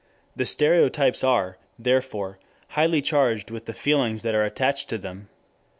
The stereotypes are, therefore, highly charged with the feelings that are attached to them.